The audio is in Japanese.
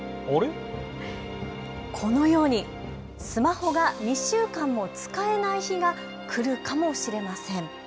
このようにスマホが２週間も使えない日が来るかもしれません。